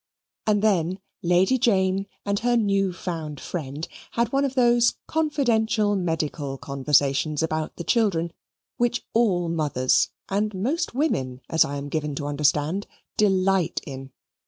And then Lady Jane and her new found friend had one of those confidential medical conversations about the children, which all mothers, and most women, as I am given to understand, delight in.